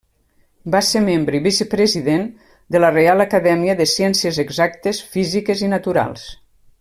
Va ser membre i vicepresident de la Reial Acadèmia de Ciències Exactes, Físiques i Naturals.